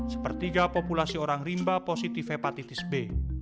sepertiga populasi orang rimba positif hepatitis b